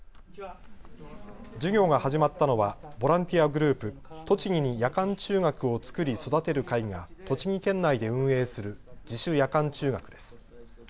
授業が始まったのはボランティアグループとちぎに夜間中学をつくり育てる会が栃木県内で運営する自主夜間中学です。